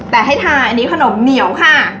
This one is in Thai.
แต่ให้ทานอันนี้ขนมเหนียวค่ะ